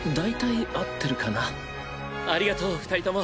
ありがとう二人とも。